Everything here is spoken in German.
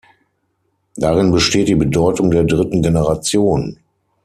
Darin besteht die Bedeutung der dritten Generation.